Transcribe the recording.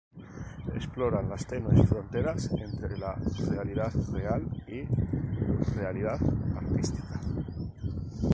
Explora las tenues fronteras entre realidad real y realidad artística.